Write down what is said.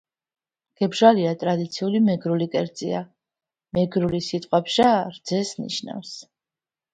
გებჟალია ტრადიციული მეგრული კერძია. მეგრული სიტყვა „ბჟა“, რძეს ნიშნავს.